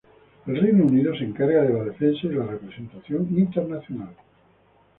El Reino Unido se encarga de la defensa y la representación internacional.